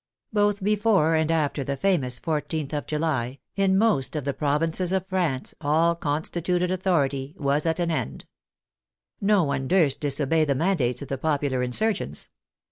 Both before and after the famous 14th of July, in most of the provinces of France all constituted authority was at an end. No one durst disobey the mandates of the popular insurgents.